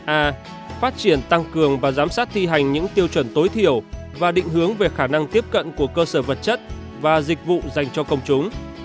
a phát triển tăng cường và giám sát thi hành những tiêu chuẩn tối thiểu và định hướng về khả năng tiếp cận của cơ sở vật chất và dịch vụ dành cho công chúng